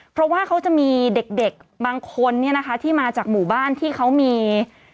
เพราะว่าเขาจะมีเด็กบางคนเนี่ยนะคะที่มาจากหมู่บ้านที่เขามี